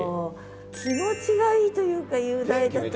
気持ちがいいというか雄大だというか。